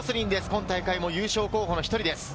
今大会も優勝候補の１人です。